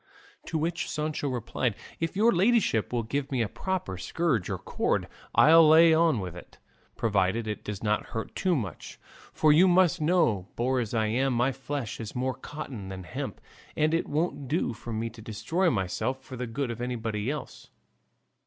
To which Sancho replied, "If your ladyship will give me a proper scourge or cord, I'll lay on with it, provided it does not hurt too much; for you must know, boor as I am, my flesh is more cotton than hemp, and it won't do for me to destroy myself for the good of anybody else."